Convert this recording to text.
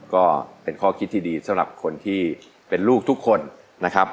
ก็เป็นข้อคิดที่ดีสำหรับคนที่เป็นลูกทุกคนนะครับ